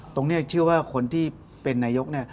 ตรงนี้ชื่อว่าคนที่เป็นนายก